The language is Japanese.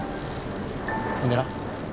ほんでな